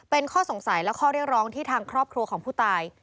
เป็นข้อสงสัยและข้อเรียกร้องที่ทางครอบครัวของผู้ตาย